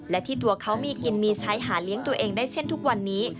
และที่ตัวเขามีกินมีใช้หาเลี้ยงตัวเองได้เช่นทุกวันนี้